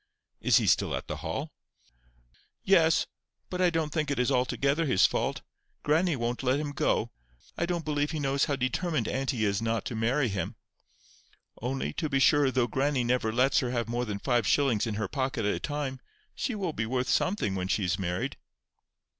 "Is he still at the Hall?" "Yes. But I don't think it is altogether his fault. Grannie won't let him go. I don't believe he knows how determined auntie is not to marry him. Only, to be sure, though grannie never lets her have more than five shillings in her pocket at a time, she will be worth something when she is married."